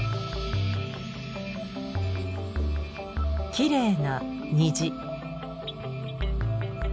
きれいな虹。